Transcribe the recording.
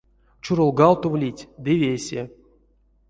Чуролгавтовлить — ды весе.